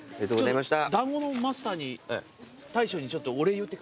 団子のマスターに大将にちょっとお礼言って。